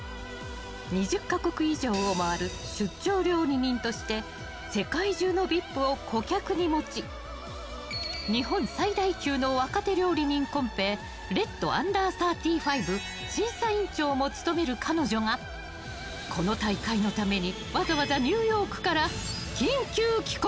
２０か国以上を回る出張料理人として世界中のＶＩＰを顧客に持ち日本最大級の若手料理人コンペＲＥＤＵ−３５審査員長も務める彼女がこの大会のために、わざわざニューヨークから緊急帰国。